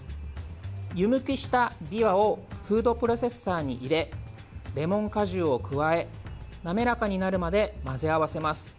湯むきしたびわをフードプロセッサーに入れレモン果汁を加え滑らかになるまで混ぜ合わせます。